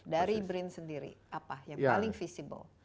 dari brin sendiri apa yang paling visible